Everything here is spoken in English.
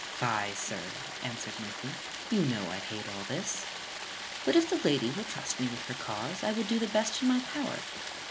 "Fy, sir," answered Murphy; "you know I hate all this; but, if the lady will trust me with her cause, I will do the best in my power.